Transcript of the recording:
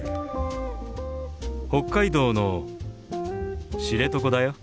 北海道の知床だよ。